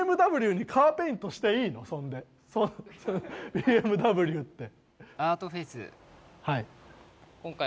ＢＭＷって。